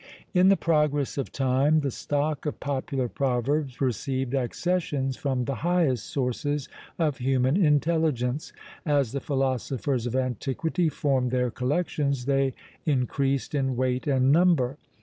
In the progress of time, the stock of popular proverbs received accessions from the highest sources of human intelligence; as the philosophers of antiquity formed their collections, they increased in "weight and number."